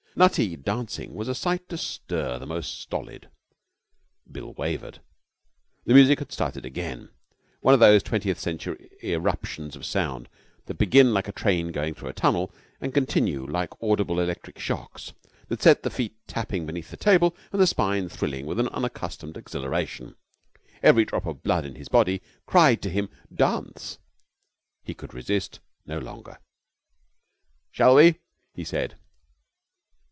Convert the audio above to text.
Nutty dancing was a sight to stir the most stolid. Bill wavered. The music had started again now, one of those twentieth century eruptions of sound that begin like a train going through a tunnel and continue like audible electric shocks, that set the feet tapping beneath the table and the spine thrilling with an unaccustomed exhilaration. Every drop of blood in his body cried to him 'Dance!' He could resist no longer. 'Shall we?' he said.